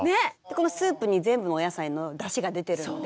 このスープに全部のお野菜のだしが出てるので。